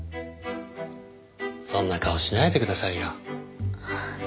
そんな顔しないでくださいよ。